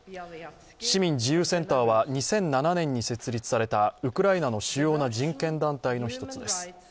市民自由センターは２００７年に設立されたウクライナの主要な人権団体の一つです。